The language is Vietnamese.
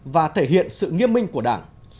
và thể hiện sự nghiêm minh của đảng